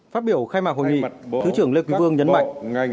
phát biểu khai mạc hội nghị thứ trưởng lê quý vương nhấn mạnh ngành